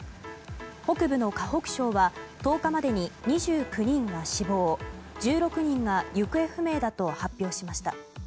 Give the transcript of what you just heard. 北部の河北省は１０日までに２９人が死亡１６人が行方不明だと発表しました。